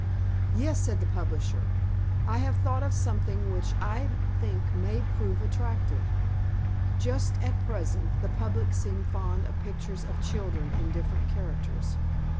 "Yes," said the publisher, "I have thought of something which I think may prove attractive. Just at present, the public seem fond of pictures of children in different characters.